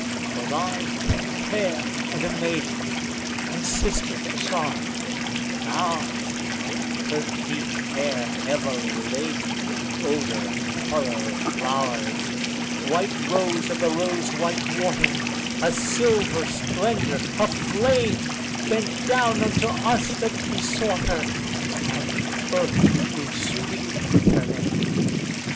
For thine came pale and a maiden, and sister to sorrow; but ours, Her deep hair heavily laden with odour and colour of flowers, White rose of the rose white water, a silver splendour, a flame, Bent down unto us that besought her, and earth grew sweet with her name.